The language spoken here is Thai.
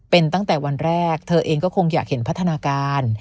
เป็นตั้งแต่วันแรกเธอเองก็คงอยากเห็นพัฒนาการ